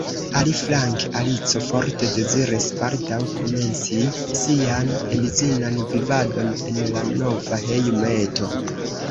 Aliflanke Alico forte deziris baldaŭ komenci sian edzinan vivadon en la nova hejmeto.